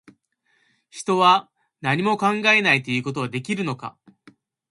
人は、何も考えないということはできるのか